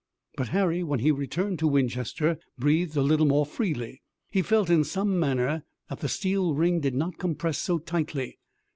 But Harry when he returned to Winchester breathed a little more freely. He felt in some manner that the steel ring did not compress so tightly.